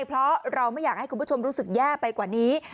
เพราะเราไม่อยากให้คุณผู้ชมรู้สึกแย่ไปกว่านี้